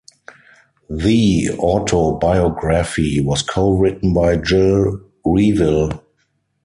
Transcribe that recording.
The autobiography was co-written by Gil Reavill.